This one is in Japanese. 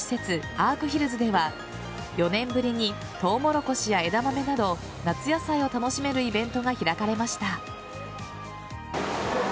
アークヒルズでは４年ぶりにトウモロコシや枝豆など夏野菜を楽しめるイベントが開かれました。